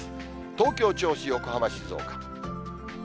東京、銚子、横浜、静岡。